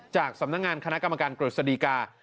จากสำนักงานคณะกรรมการกฤษฎีกา